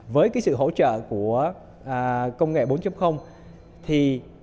với sự hỗ trợ của công nghệ bốn